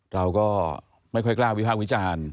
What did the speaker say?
เราก็ไม่ค่อยกล้าวิภาควิจารณ์